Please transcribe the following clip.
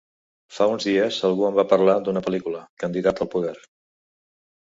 Fa uns dies, algú em va parlar d’una pel·lícula: “candidata al poder”.